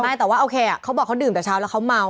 แต่ว่าโอเคเขาบอกเขาดื่มแต่เช้าแล้วเขาเมา